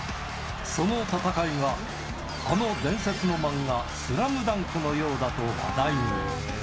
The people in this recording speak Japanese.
その戦いは、あの伝説の漫画、ＳＬＡＭＤＵＮＫのようだと話題に。